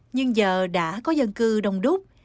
nhưng giờ đã có dân cư đông đúc